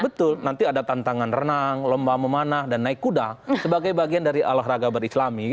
betul nanti ada tantangan renang lomba memanah dan naik kuda sebagai bagian dari olahraga berislami